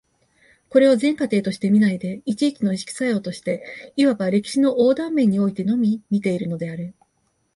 これを全過程として見ないで、一々の意識作用として、いわば歴史の横断面においてのみ見ているのである。